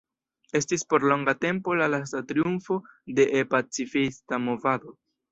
Estis por longa tempo la lasta triumfo de E-pacifista movado.